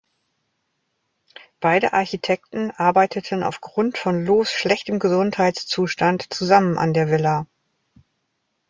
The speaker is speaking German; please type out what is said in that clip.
Beide Architekten arbeiteten auf Grund von Loos' schlechtem Gesundheitszustand zusammen an der Villa.